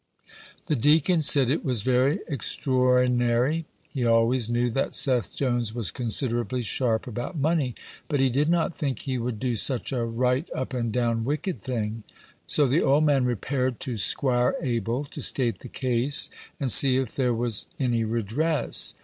The deacon said "it was very extraor'nary: he always knew that Seth Jones was considerably sharp about money, but he did not think he would do such a right up and down wicked thing." So the old man repaired to 'Squire Abel to state the case, and see if there was any redress.